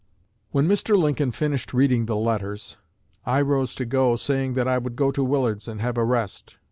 "When Mr. Lincoln finished reading the letters, I rose to go, saying that I would go to Willard's, and have a rest.